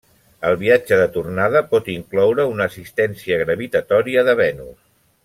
El viatge de tornada pot incloure una assistència gravitatòria de Venus.